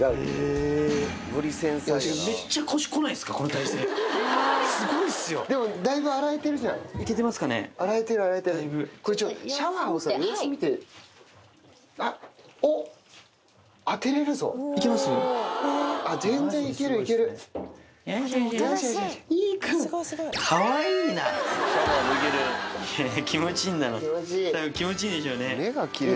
たぶん気持ちいいんでしょうね。